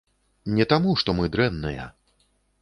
Не таму што мы дрэнныя.